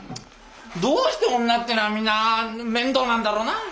どうして女ってのはみんな面倒なんだろうな？